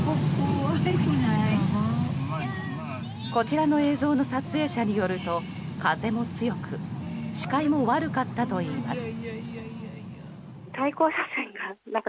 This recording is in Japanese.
こちらの映像の撮影者によると風も強く視界も悪かったといいます。